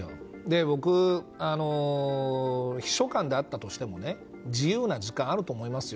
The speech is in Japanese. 僕、秘書官であったとしても自由な時間はあると思いますよ。